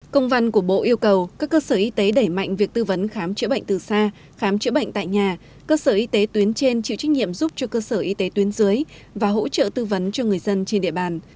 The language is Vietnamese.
công văn của bộ yêu cầu các cơ sở y tế đẩy mạnh việc tư vấn khám chữa bệnh từ xa khám chữa bệnh tại nhà cơ sở y tế tuyến trên chịu trách nhiệm giúp cho cơ sở y tế tuyến dưới và hỗ trợ tư vấn cho người dân trên địa bàn